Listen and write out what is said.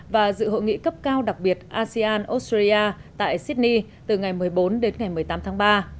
và dự hội nghị cấp cao đặc biệt asean australia tại sydney từ ngày một mươi bốn đến ngày một mươi tám tháng ba